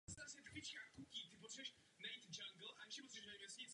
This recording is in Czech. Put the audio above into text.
Svůj dospělý život začal jako kapelník královského námořnictva.